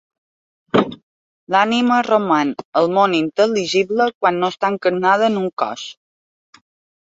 L'ànima roman al món intel·ligible quan no està encarnada en un cos.